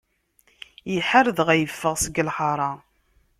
Iḥar, dɣa yeffeɣ seg lḥaṛa.